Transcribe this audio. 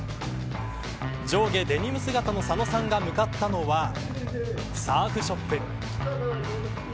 上下デニム姿の佐野さんが向かったのはサーフショップ。